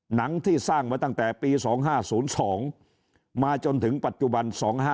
หนังที่สร้างมาตั้งแต่ปี๒๕๐๒มาจนถึงปัจจุบัน๒๕๖